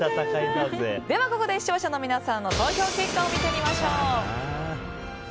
では、ここで視聴者の皆さんの投票結果を見てみましょう。